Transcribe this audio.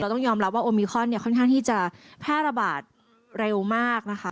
เราต้องยอมรับว่าโอมีคอนค่อนข้างที่จะแพร่ระบาดเร็วมาก